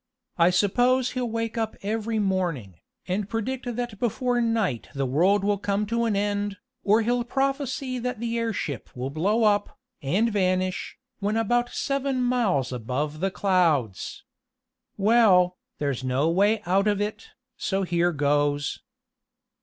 "I suppose he'll wake up every morning, and predict that before night the world will come to an end, or he'll prophesy that the airship will blow up, and vanish, when about seven miles above the clouds. Well, there's no way out of it, so here goes."